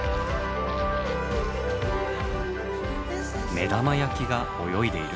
目玉焼きが泳いでいる？